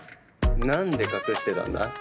何で隠してたんだ？